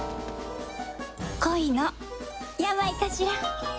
恋の病かしら。